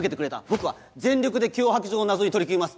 僕は全力で脅迫状の謎に取り組みます。